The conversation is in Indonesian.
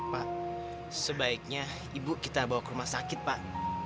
pak sebaiknya ibu kita bawa ke rumah sakit pak